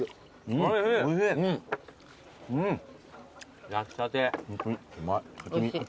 おいしい。